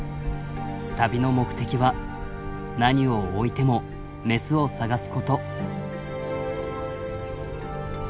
旅の目的は何をおいてもメスを探すこと。